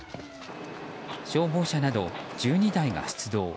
消防車など１２台が出動。